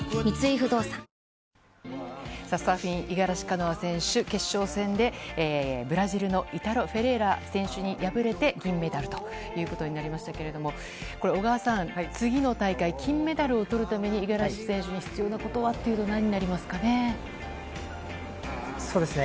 サーフィン、五十嵐カノア選手、決勝戦でブラジルのイタロ・フェレイラ選手に敗れて銀メダルということになりましたけれども、小川さん、次の大会、金メダルをとるために五十嵐選手に必要なことはというと、なんになりますかね。